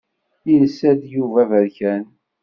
Yelsa-d Yuba aberkan.